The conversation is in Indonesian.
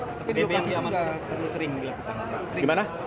tapi itu pasti sudah terlalu sering dilakukan